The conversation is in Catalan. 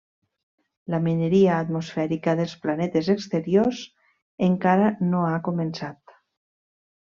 La mineria atmosfèrica dels planetes exteriors encara no ha començat.